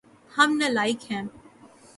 ہم نالائق ہیے